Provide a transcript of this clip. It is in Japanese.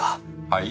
はい？